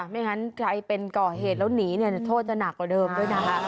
ไม่งั้นใครเป็นก่อเหตุแล้วหนีโทษจะหนักกว่าเดิมด้วยนะคะ